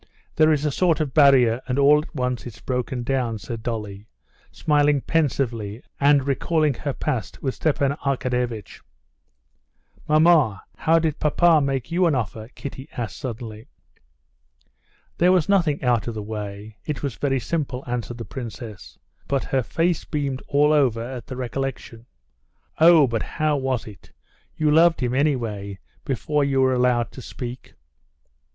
There is a sort of barrier, and all at once it's broken down," said Dolly, smiling pensively and recalling her past with Stepan Arkadyevitch. "Mamma, how did papa make you an offer?" Kitty asked suddenly. "There was nothing out of the way, it was very simple," answered the princess, but her face beamed all over at the recollection. "Oh, but how was it? You loved him, anyway, before you were allowed to speak?"